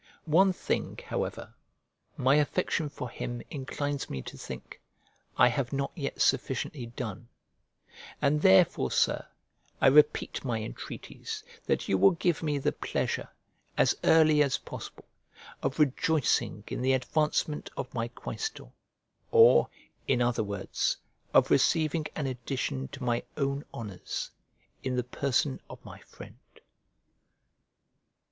One thing, however, my affection for him inclines me to think, I have not yet sufficiently done; and therefore, Sir, I repeat my entreaties that you will give me the pleasure, as early as possible, of rejoicing in the advancement of my quaestor, or, in other words, of receiving an addition to my own honours, in the person of my friend.